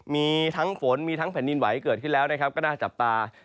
มีทั้งฝนมีทั้งแผ่นดินไหวเกิดขึ้นแล้วนะครับก็น่าจับตา